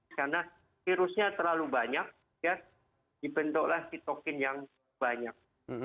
karena virusnya terlalu banyak dibentuklah sitokin yang banyak